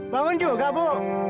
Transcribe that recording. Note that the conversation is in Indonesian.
bangun juga bu